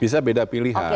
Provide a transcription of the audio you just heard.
bisa beda pilihan